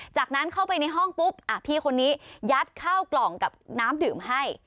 จากนั้นเข้าไปในห้องปุ๊บพี่คนนี้ยัดข้าวกล่องกับน้ำดื่มให้